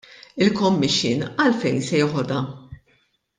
Il-commission għalfejn se jeħodha?